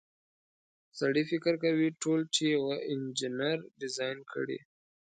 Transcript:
سړی فکر کوي ټول چې یوه انجنیر ډیزاین کړي.